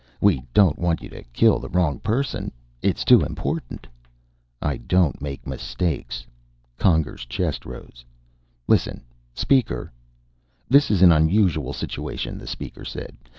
"We don't want you to kill the wrong person. It's too important." "I don't make mistakes." Conger's chest rose. "Listen, Speaker " "This is an unusual situation," the Speaker said.